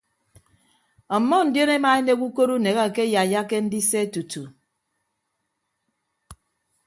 Ọmmọ ndion emaenek ukot unek akeyaiyake ndise tutu.